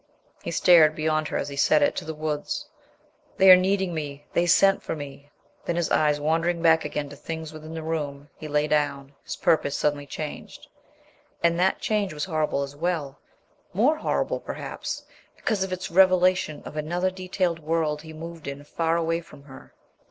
He stared beyond her as he said it, to the woods. "They are needing me. They sent for me...." Then his eyes wandering back again to things within the room, he lay down, his purpose suddenly changed. And that change was horrible as well, more horrible, perhaps, because of its revelation of another detailed world he moved in far away from her.